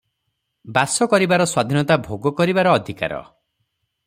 ବାସ କରିବାର ସ୍ୱାଧୀନତା ଭୋଗ କରିବାର ଅଧିକାର ।